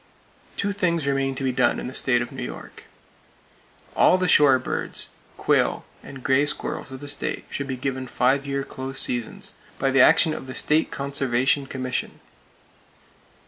Two things remain to be done in the state of New York. All the shore birds, quail and gray squirrels of the state should be given five year close seasons, by the action of the State Conservation Commission.